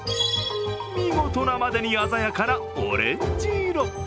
見事なまでに鮮やかなオレンジ色。